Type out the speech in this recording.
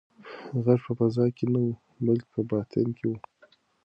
غږ په فضا کې نه و بلکې په باطن کې و.